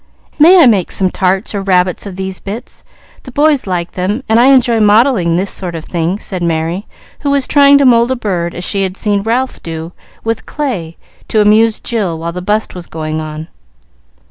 "May I make some tarts or rabbits of these bits? The boys like them, and I enjoy modelling this sort of thing," said Merry, who was trying to mould a bird, as she had seen Ralph do with clay to amuse Jill while the bust was going on.